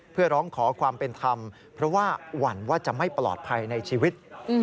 เพื่อร้องขอความเป็นธรรมเพราะว่าหวั่นว่าจะไม่ปลอดภัยในชีวิต